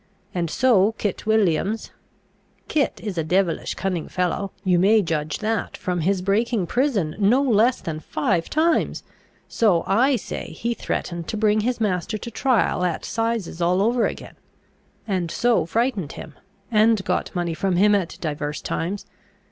And so Kit Williams Kit is a devilish cunning fellow, you may judge that from his breaking prison no less than five times, so, I say, he threatened to bring his master to trial at 'size all over again, and so frightened him, and got money from him at divers times.